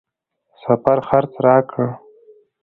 سفر خرڅ راکړ.